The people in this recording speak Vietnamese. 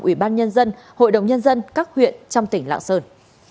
ủy ban nhân dân hội đồng nhân dân các huyện trong tỉnh lạng sơn